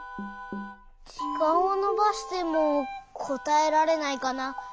じかんをのばしてもこたえられないかな。